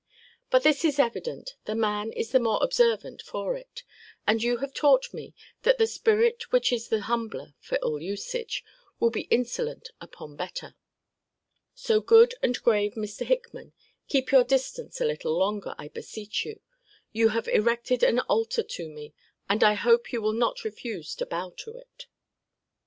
But this is evident, the man is the more observant for it; and you have taught me, that the spirit which is the humbler for ill usage, will be insolent upon better. So, good and grave Mr. Hickman, keep your distance a little longer, I beseech you. You have erected an altar to me; and I hope you will not refuse to bow to it.